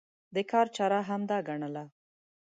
د کار چاره همدا ګڼله.